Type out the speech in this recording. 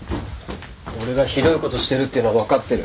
俺がひどいことしてるってのは分かってる。